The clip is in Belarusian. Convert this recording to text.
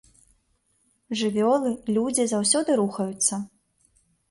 Жывёлы, людзі заўсёды рухаюцца.